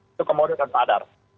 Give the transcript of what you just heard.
itu komoditas padar